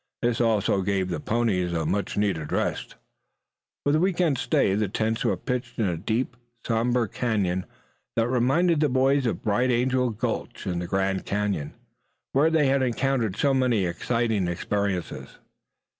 This also gave the ponies a much needed rest. For this weekend stay, the tents were pitched in a deep, sombre canyon, that reminded the boys of Bright Angel Gulch in the Grand Canyon where they had encountered so many exciting experiences.